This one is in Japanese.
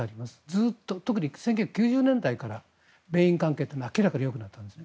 ずっと、特に１９９０年代から米印関係は明らかによくなっています。